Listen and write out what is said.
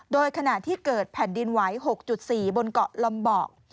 โดยขณะที่เกิดแผ่นดินไหว๖๔บนเกาะลอมเบาะ